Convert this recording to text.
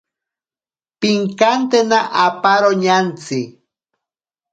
Pinkantena aparo ñantsi.